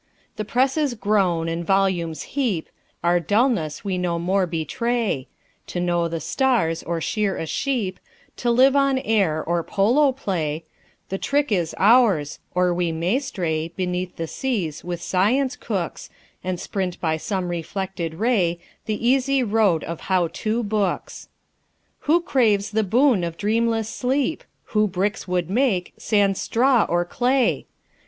The presses groan, and volumes heap, Our dullness we no more betray; To know the stars, or shear a sheep To live on air, or polo play; The trick is ours, or we may stray Beneath the seas, with science cooks, And sprint by some reflected ray The easy road of "How To" books! Who craves the boon of dreamless sleep? Who bricks would make, sans straw or clay?